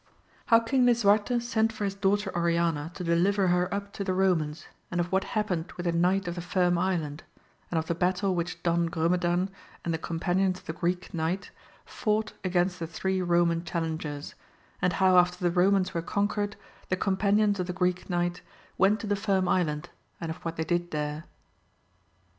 — ^How King Lisuarte sent for his daughter Oriana to deliver her up to the Romans, and of what happened with a knight of the Firm Island, and of the battle which Don Grumedan and the companions of the G reek Knight fought against the three Roman challengers, and how after the Romans were conquered the companions of the Greek Knight went to the Firm Island, and of what they did there.